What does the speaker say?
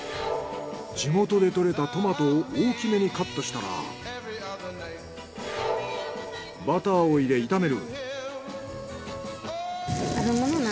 地元で採れたトマトを大きめにカットしたらバターを入れ炒める。